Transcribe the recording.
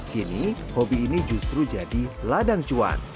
kini hobi ini justru jadi ladang cuan